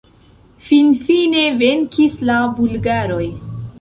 Finfine venkis la bulgaroj...